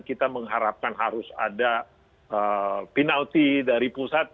kita mengharapkan harus ada penalti dari pusat